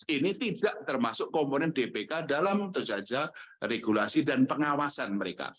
ini tidak termasuk komponen dpk dalam tentu saja regulasi dan pengawasan mereka